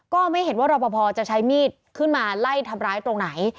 ก็ไม่เห็นว่ารอปภจะใช้มีดขึ้นมาไล่ทำร้ายตรงไหน